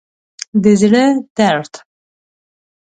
د زړه درد